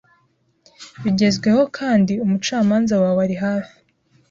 bigezweho Kandi umucamanza wawe arihafi